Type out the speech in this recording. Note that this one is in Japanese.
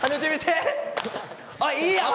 あっいいやん！